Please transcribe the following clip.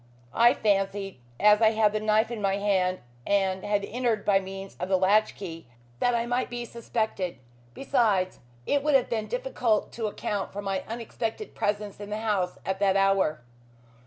I fancied, as I had the knife in my hand and had entered by means of the latch key, that I might be suspected. Besides, it would have been difficult to account for my unexpected presence in the house at that hour."